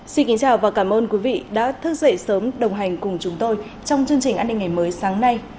xin kính chào và cảm ơn quý vị đã thức dậy sớm đồng hành cùng chúng tôi trong chương trình an ninh ngày mới sáng nay